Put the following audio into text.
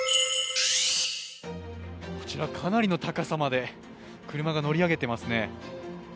こちらかなりの高さまで車が乗り上げてますね。